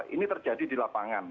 ini terjadi di lapangan